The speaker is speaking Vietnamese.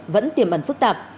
vẫn tiềm ẩn phức tạp